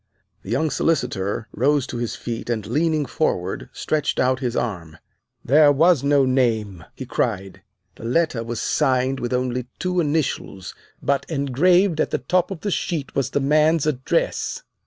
The young Solicitor rose to his feet and, leaning forward, stretched out his arm. "There was no name," he cried. "The letter was signed with only two initials. But engraved at the top of the sheet was the man's address.